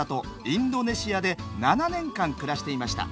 インドネシアで７年間暮らしていました。